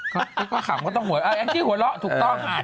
ก็ขำก็ต้องหัวเอ้าแอลกี้หัวเราะถูกต้องค่ะ